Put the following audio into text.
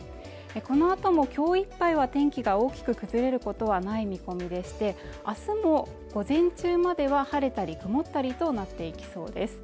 このあともきょういっぱいは天気が大きく崩れることはない見込みでしてあすも午前中までは晴れたり曇ったりとなっていきそうです